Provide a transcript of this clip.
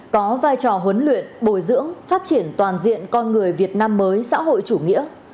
có vai trò huấn luyện bồi dưỡng phát triển toàn diện con người việt nam mới xã hội chủ nghĩa